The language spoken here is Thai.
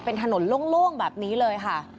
เป็นถนนโล่งแบบนี้เลยค่ะ